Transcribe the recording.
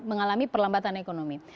mengalami perlambatan ekonomi